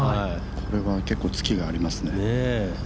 これは結構ツキがありますね。